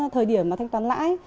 thời điểm mà thanh toán lãi